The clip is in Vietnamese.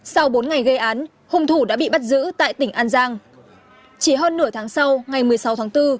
sau bốn ngày gây án hung thủ đã bị bắt giữ tại tỉnh an giang chỉ hơn nửa tháng sau ngày một mươi sáu tháng bốn